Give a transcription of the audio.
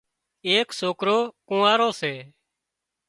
ايڪ سوڪرو ڪونئارو سي